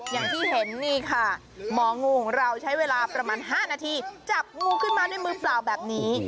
อย่างที่เห็นนี่ค่ะหมองูของเราใช้เวลาประมาณ๕นาทีจับงูขึ้นมาด้วยมือเปล่าแบบนี้